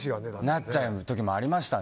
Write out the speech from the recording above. なっちゃう時もありました。